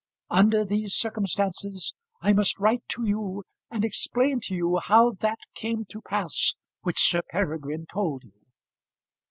Under these circumstances I must write to you and explain to you how that came to pass which Sir Peregrine told you.